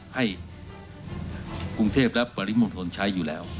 ให้กรุงเทพและปริมณฑลใช้อยู่แล้ว